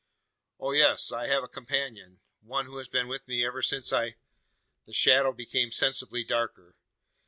"Oh, yes, I have a companion one who has been with me ever since I " The shadow became sensibly darker.